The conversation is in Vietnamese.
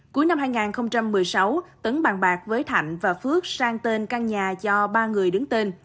cuối năm hai nghìn một mươi sáu tấn bàn bạc với thạnh và phước sang tên căn nhà cho ba người đứng tên